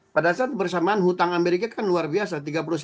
pada saat bersamaan hutang amerika kan luar biasa